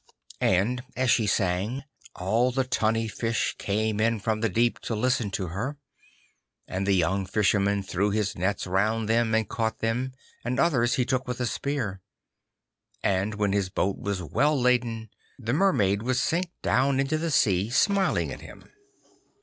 And as she sang, all the tunny fish came in from the deep to listen to her, and the young Fisherman threw his nets round them and caught them, and others he took with a spear. And when his boat was well laden, the Mermaid would sink down into the sea, smiling at him.